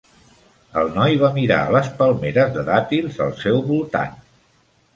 El noi va mirar a les palmeres de dàtils al seu voltant.